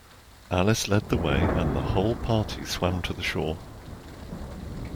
Alice led the way, and the whole party swam to the shore.